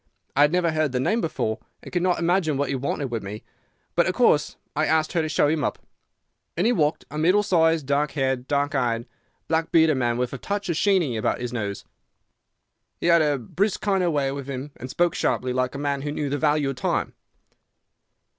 I had never heard the name before and could not imagine what he wanted with me; but, of course, I asked her to show him up. In he walked, a middle sized, dark haired, dark eyed, black bearded man, with a touch of the Sheeny about his nose. He had a brisk kind of way with him and spoke sharply, like a man who knew the value of time."